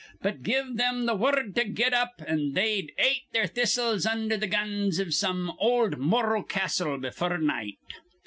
But give thim th' wurrud to git ap, an' they'd ate their thistles undher th' guns iv some ol' Morro Castle befure night.